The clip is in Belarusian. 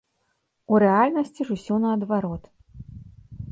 У рэальнасці ж усё наадварот.